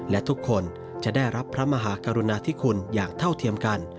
และทุกคนจะได้รับพระมหากรุณาธิคุณอย่างเท่าเทียมกัน